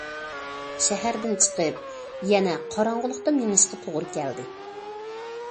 شەھەردىن چىقىپ يەنە قاراڭغۇلۇقتا مېڭىشقا توغرا كەلدى.